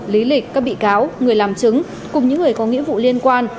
lý lịch các bị cáo người làm chứng cùng những người có nghĩa vụ liên quan